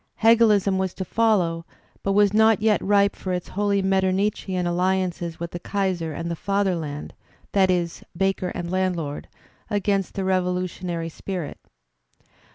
Hegelism was to follow but was not yet ripe for its holy Mettemichian aUiances with the Kaiser and the Fatherland (that is, banker and landlord) against the revolutionary spirit.